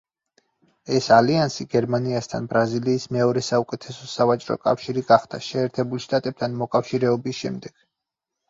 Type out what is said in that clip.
ეს ალიანსი გერმანიასთან ბრაზილიის მეორე საუკეთესო სავაჭრო კავშირი გახდა შეერთებულ შტატებთან მოკავშირეობის შემდეგ.